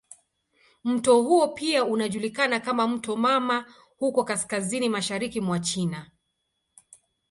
Mto huo pia unajulikana kama "mto mama" huko kaskazini mashariki mwa China.